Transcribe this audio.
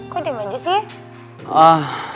kok dimana sih